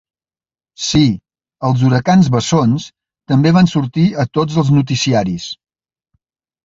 Sí, els huracans bessons també van sortir a tots els noticiaris.